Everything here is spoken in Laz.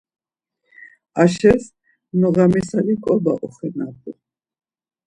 Aşes noğamisaliǩoba oxenapu.